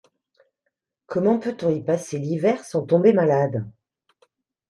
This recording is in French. Comment peut-on y passer l’hiver sans tomber malade?